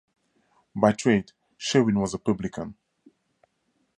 By trade, Sherwin was a publican.